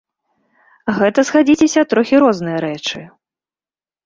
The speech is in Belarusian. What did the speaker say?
Гэта, згадзіцеся, трохі розныя рэчы.